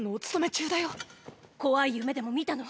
怖い夢でも見たの？